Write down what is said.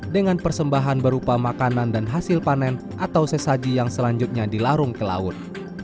dengan persembahan berupa makanan dan hasil panen atau sesaji yang selanjutnya dilarung ke laut